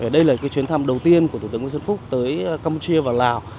đây là chuyến thăm đầu tiên của thủ tướng nguyễn xuân phúc tới campuchia và lào